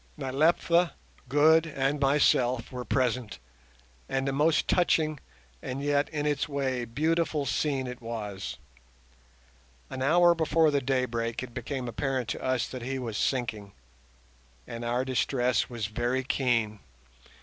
Nyleptha, Good and myself were present, and a most touching and yet in its way beautiful scene it was. An hour before the daybreak it became apparent to us that he was sinking, and our distress was very keen.